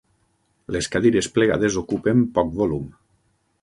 Les cadires plegades ocupen poc volum.